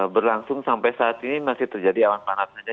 berlangsung sampai saat ini masih terjadi awan panasnya